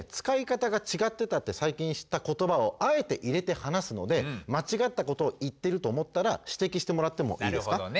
「使い方が違ってた」って最近知った言葉をあえて入れて話すので間違ったことを言ってると思ったら指摘してもらってもいいですか？